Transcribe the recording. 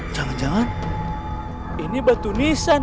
jangan jangan ini batu nisan